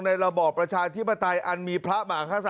ระบอบประชาธิปไตยอันมีพระมหาศา